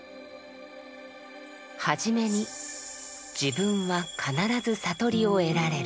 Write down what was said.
初めに「自分は必ず悟りを得られる。